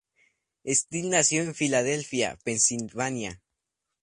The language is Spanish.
Steele nació en Filadelfia, Pensilvania.